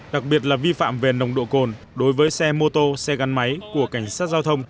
đặc biệt là vi phạm về nồng độ cồn đối với xe mô tô xe gắn máy của cảnh sát giao thông